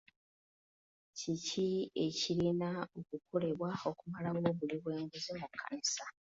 Kiki ekirina okukolebwa okumalawo obuli bw'enguzi mu kkanisa?